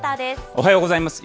おはようございます。